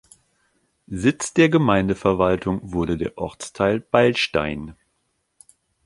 Sitz der Gemeindeverwaltung wurde der Ortsteil Beilstein.